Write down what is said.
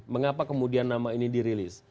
mengapa kemudian nama ini dirilis